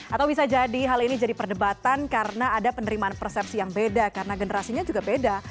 atau bisa jadi hal ini jadi perdebatan karena ada penerimaan persepsi yang beda karena generasinya juga beda